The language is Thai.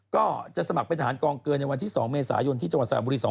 ก็จะสมัครเป็นทหารกองเกินในวันที่๒เมษายนที่จังหวัดสระบุรี๒